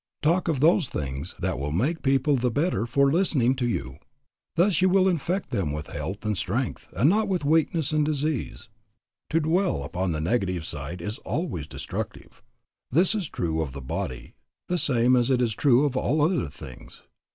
Talk of those things that will make people the better for listening to you. Thus you will infect them with health and strength and not with weakness and disease. To dwell upon the negative side is always destructive. This is true of the body the same as it is true of all other things.